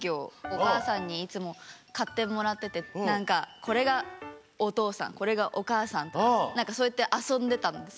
おかあさんにいつもかってもらっててなんか「これがおとうさんこれがおかあさん」とかなんかそうやってあそんでたんですよ。